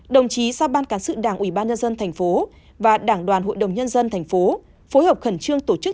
đồng chí sao ban cán sự đảng ubnd tp và đảng đoàn hội đồng nhân dân tp phối hợp khẩn trương tổ chức